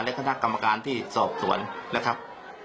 และคณะกรรมการที่สอบสวนนะครับ